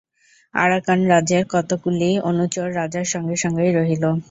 আরাকানরাজের কতকগুলি অনুচর রাজার সঙ্গে সঙ্গেই রহিল।